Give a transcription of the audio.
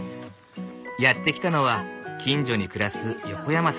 やって来たのは近所に暮らす横山さんと３姉妹。